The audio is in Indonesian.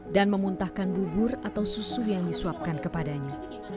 dan memuntahkan bubur atau susu yang disuapkan kepadanya